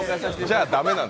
じゃあ、だめなの。